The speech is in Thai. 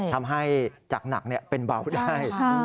ทำให้จากหนักเป็นเบาได้